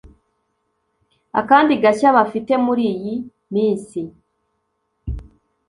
Akandi gashya bafite muri iyi minsi